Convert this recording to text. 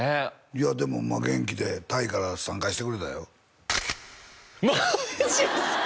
いやでも元気でタイから参加してくれたよマジですか！？